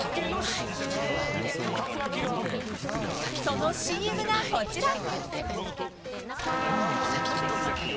［そのＣＭがこちら］